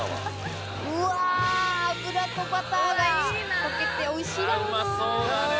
うわ油とバターが溶けておいしいだろうなぁ。